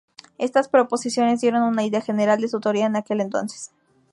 Estas proposiciones dieron una idea general de su teoría en aquel entonces.